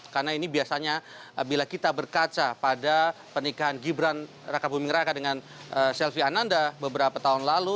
karena ini biasanya bila kita berkaca pada pernikahan gibran raka buming raka dengan selvi ananda beberapa tahun lalu